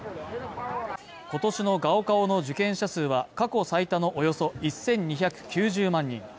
今年の高考の受験者数は過去最多のおよそ１２９０万人